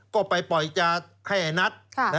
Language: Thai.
ก็ไปปล่อยยาให้ไอ้นัท